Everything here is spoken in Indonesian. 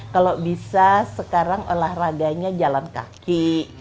kalau bisa sekarang olahraganya jalan kaki